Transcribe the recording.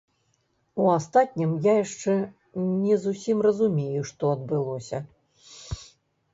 У астатнім, я яшчэ не зусім разумею, што адбылося.